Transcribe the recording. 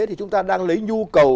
thì chúng ta đang lấy nhu cầu